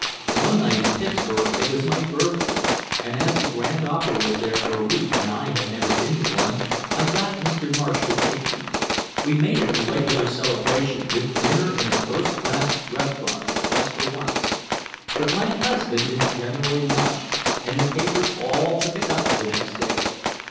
One night in Pittsburgh it was my birthday, and as the Grand Opera was there for a week and I had never been to one, I got Mr. Marsh to take me. We made it a regular celebration, with dinner in a first class restaurant just for once. But my husband is generally watched, and the papers all took it up the next day.